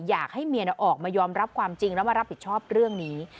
อยากให้เมียออกมายอมรับความจริงแล้วมารับผิดชอบเรื่องนี้